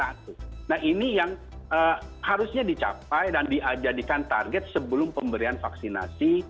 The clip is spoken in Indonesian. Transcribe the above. nah ini yang harusnya dicapai dan dijadikan target sebelum pemberian vaksinasi